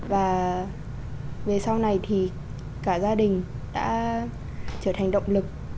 và về sau này thì cả gia đình đã trở thành động lực